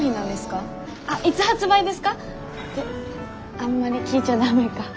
あんまり聞いちゃダメか。